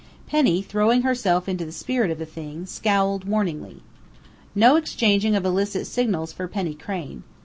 Penny, throwing herself into the spirit of the thing, scowled warningly. No exchanging of illicit signals for Penny Crain!